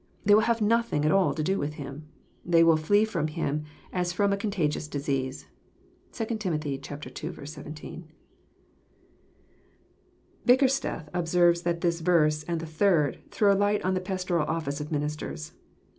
They will have nothing at ail to do with him. They will flee from him as from a contagious disease." (2 Tim. ii. 17.) Bickersteth observes that this verse, and the third, throw light on the pastoral office of ministers.